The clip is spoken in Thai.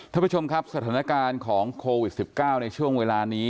ท่านผู้ชมครับสถานการณ์ของโควิด๑๙ในช่วงเวลานี้